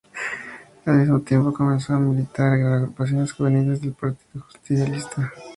Al mismo tiempo comenzó a militar en agrupaciones juveniles del Partido Justicialista.